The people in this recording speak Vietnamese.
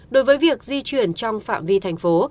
đối với việc di chuyển trong phạm vi thành phố